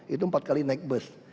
itu empat kali naik bus